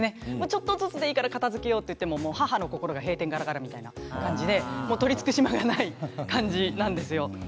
ちょっとずつでいいから片づけようって母の心が閉店がらがらという感じで取りつく島がない感じなんです。